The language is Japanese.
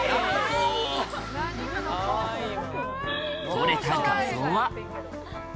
撮れた画像は。